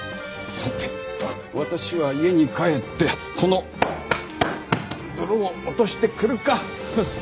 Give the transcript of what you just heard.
さてと私は家に帰ってこの泥を落としてくるか。